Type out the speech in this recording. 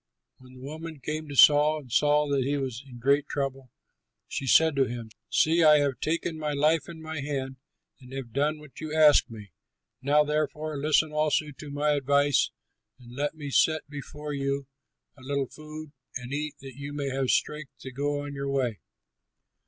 When the woman came to Saul and saw that he was in great trouble, she said to him, "See, I have taken my life in my hand and have done what you asked me. Now therefore, listen also to my advice and let me set before you a little food, and eat that you may have strength to go on your way."